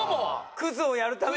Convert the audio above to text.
クズをやるために？